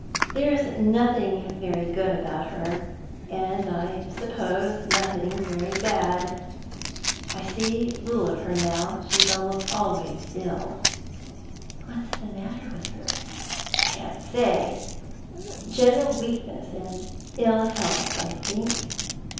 There's nothing very good about her, and I suppose nothing very bad. I see little of her now; she's almost always ill." "What's the matter with her?" "Can't say; general weakness and ill health, I think?"